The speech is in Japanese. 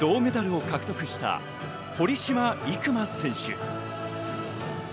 銅メダルを獲得した堀島行真選手。